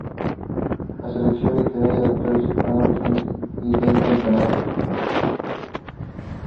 La selección literaria de autores hispánicos residente en Canadá.